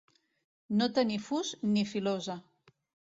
No tenir fus ni filosa.